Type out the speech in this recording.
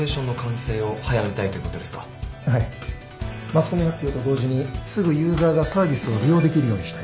マスコミ発表と同時にすぐユーザーがサービスを利用できるようにしたいんです。